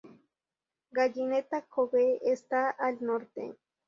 Gallineta Cove está al norte.